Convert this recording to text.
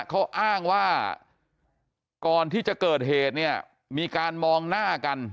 เขาอ้างว่าก่อนที่จะเกิดเหตุเนี่ยมีการมองหน้ากัน